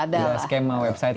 ini rahasia perusahaan